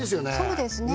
そうですね